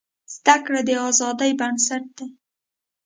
زده کړه د ازادۍ بنسټ دی.